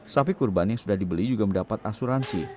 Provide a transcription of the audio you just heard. sapi kurban yang sudah dibeli juga mendapat asuransi